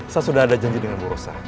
saya sudah ada janji dengan bu rosa